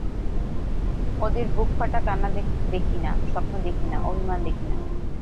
ওদের বুকফাটা কান্না দেখি না, স্বপ্ন দেখি না, অভিমান দেখি না।